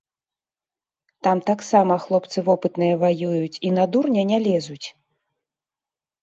Там таксама хлопцы вопытныя ваююць і на дурня не лезуць.